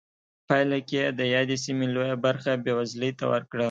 پایله کې یې د یادې سیمې لویه برخه بېوزلۍ ته ورکړه.